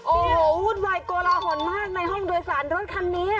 โอ้โหวุ่นวายโกลาหลมากในห้องโดยสารรถคันนี้